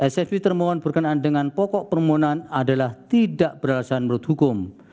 ssv termohon berkenaan dengan pokok permohonan adalah tidak beralasan menurut hukum